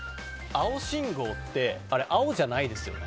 青信号ってあれ、青じゃないですよね。